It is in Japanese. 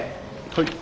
はい。